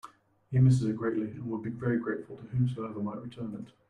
He misses it greatly and would be very grateful to whomsoever might return it.